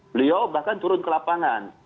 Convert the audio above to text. beliau bahkan turun ke lapangan